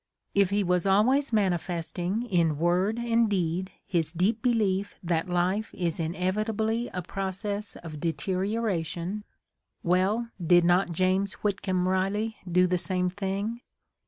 J If he was al ways manifesting, in word and deed, his deep belief that life is inevitably a process of deterioration, — well, did not James Whitcomb Riley do the same thing